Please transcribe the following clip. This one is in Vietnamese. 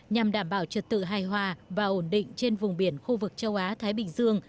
nhằm đảm bảo trật tự hài hòa và ổn định trên vùng biển khu vực châu á thái bình dương